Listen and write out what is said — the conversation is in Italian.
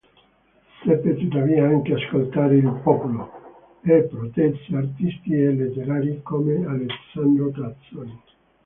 Seppe tuttavia anche ascoltare il popolo, e protesse artisti e letterati come Alessandro Tassoni.